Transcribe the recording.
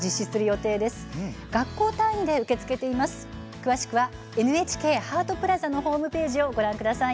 詳しくは、ＮＨＫハートプラザのホームページをご覧ください。